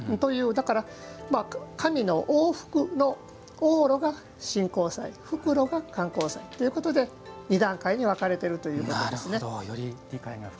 だから、神の往復の往路が神幸祭復路が還幸祭ということで２段階に分かれているということですね。